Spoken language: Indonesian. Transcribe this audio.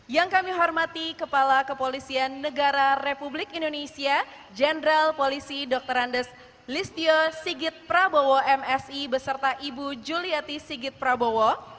yang kami hormati kepala kepolisian negara republik indonesia jenderal polisi dr andes listio sigit prabowo msi beserta ibu juliati sigit prabowo